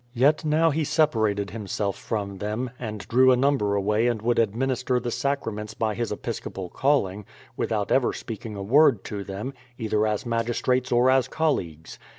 Yet now he separated himself from them, and drew a number away and would administer the sacraments by his episcopal calling, without ever speak ing a word to them, either as magistrates or as colleagues.